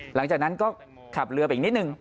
หลังจากนั้นก็ขับเรือไปอีกนิดนึง